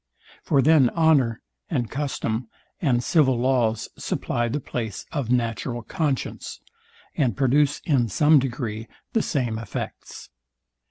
For then honour, and custom, and civil laws supply the place of natural conscience, and produce, in some degree, the same effects.